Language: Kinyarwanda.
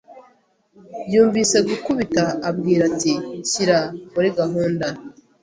Yumvise gukubita, abwira ati: "Shyira murigahunda